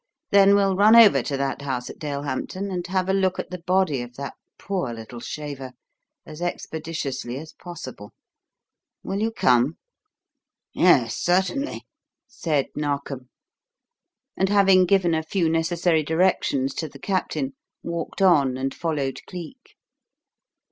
Then we'll run over to that house at Dalehampton and have a look at the body of that poor little shaver as expeditiously as possible. Will you come?" "Yes, certainly," said Narkom; and having given a few necessary directions to the Captain walked on and followed Cleek.